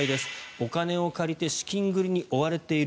お金を借りて資金繰りに追われている。